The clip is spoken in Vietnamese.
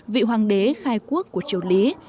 vị hoàng đế khai quốc của châu lý